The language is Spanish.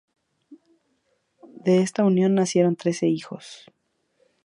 De esta unión nacieron trece hijos.